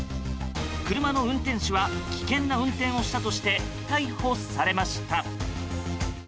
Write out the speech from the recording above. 車の運転手は危険な運転をしたとして逮捕されました。